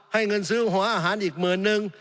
เงินซื้อหัวอาหารอีกหมื่นนึง